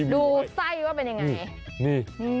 ดูใส่ว่าเป็นอย่างไร